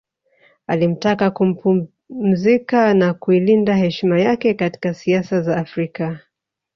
Alimtaka kupumzika na kuilinda heshima yake katika siasa za Afrika